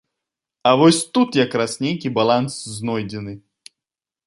А вось тут як раз нейкі баланс знойдзены.